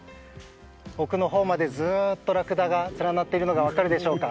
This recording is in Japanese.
奥のほうまで、ずっとラクダが連なっているのが分かるでしょうか。